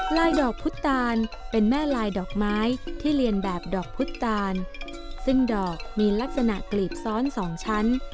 ดอกพุตาลเป็นแม่ลายดอกไม้ที่เรียนแบบดอกพุตตาลซึ่งดอกมีลักษณะกลีบซ้อนสองชั้น